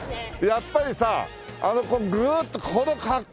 やっぱりさグーッとこの格好だよな。